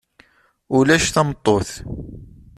Ulac tameṭṭut.